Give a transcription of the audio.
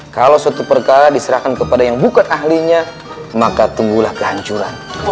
kalau suatu perkara diserahkan kepada yang bukan ahlinya maka tunggulah kehancuran